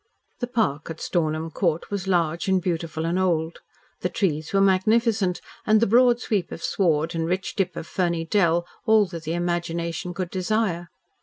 The park at Stornham Court was large and beautiful and old. The trees were magnificent, and the broad sweep of sward and rich dip of ferny dell all that the imagination could desire.